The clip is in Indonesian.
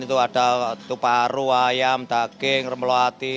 itu ada itu paru ayam daging rempul hati